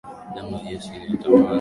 Damu ya Yesu ya thamani.